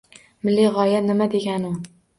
“Milliy g‘oya” – nima degani u?